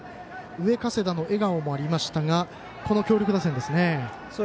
上加世田の笑顔もありましたがこの強力打線。